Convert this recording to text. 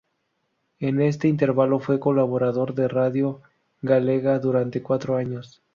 En este intervalo fue colaborador de Radio Galega durante cuatro años.